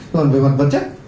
còn về mặt vật chất